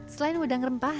selain wedang rempah